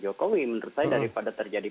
jokowi menurut saya daripada terjadi